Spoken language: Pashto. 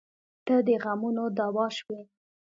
• ته د غمونو دوا شوې.